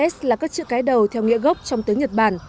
s là các chữ cái đầu theo nghĩa gốc trong tiếng nhật bản